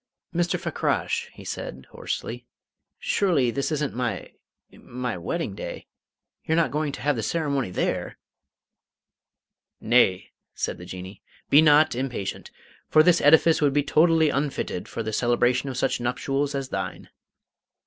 "Mr. Fakrash," he said hoarsely, "surely this isn't my my wedding day? You're not going to have the ceremony there?" "Nay," said the Jinnee, "be not impatient. For this edifice would be totally unfitted for the celebration of such nuptials as thine."